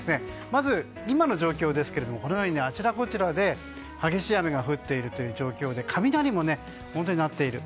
まず今の状況ですがこのようにあちらこちらで激しい雨が降っている状況で雷も鳴っている。